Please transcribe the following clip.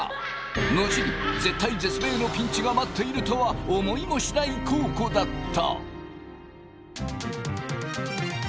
後に絶体絶命のピンチが待っているとは思いもしないコウコだった。